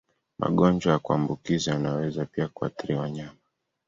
Magonjwa ya kuambukiza yanaweza pia kuathiri wanyama.